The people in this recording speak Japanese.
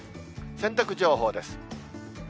洗濯情報です。